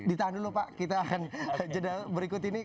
ditahan dulu pak kita akan jeda berikut ini